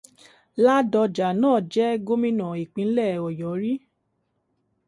Ládọjà náà jẹ Gómìnà Ìpínlẹ̀ Ọ̀yọ́ rí.